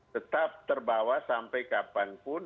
tetap terbawa sampai kapanpun